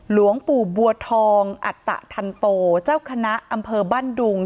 หลวงปู่บัวทองอัตตะทันโตเจ้าคณะอำเภอบ้านดุง